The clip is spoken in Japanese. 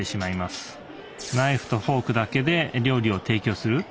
ナイフとフォークだけで料理を提供する。